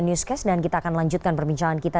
newscast dan kita akan lanjutkan perbincangan kita